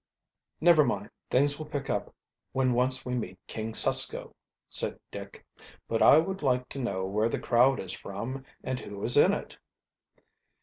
"Never mind; things will pick up when once we meet King Susko," said Dick. "But I would like to know where the crowd is from and who is in it."